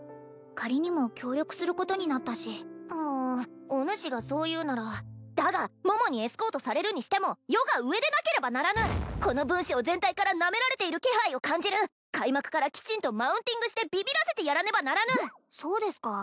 仮にも協力することになったしむうおぬしがそう言うならだが桃にエスコートされるにしても余が上でなければならぬこの文章全体からナメられている気配を感じる開幕からきちんとマウンティングしてビビらせてやらねばならぬそうですか？